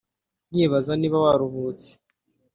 nyibaza niba waruhutse